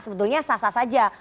sebetulnya sah sah saja